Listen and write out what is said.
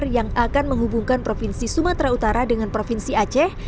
yang akan menghubungkan provinsi sumatera utara dengan provinsi aceh